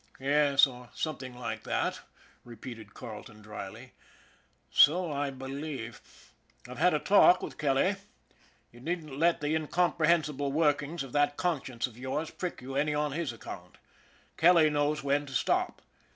" H'm, yes ; or something like that," repeated Carle ton dryly. " So I believe. I've had a talk with Kelly. You needn't let the incomprehensible workings of that conscience of yours prick you any on his account. Kelly knows when to stop.